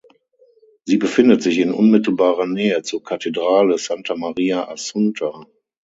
Sie befindet sich in unmittelbarer Nähe zur Kathedrale Santa Maria Assunta.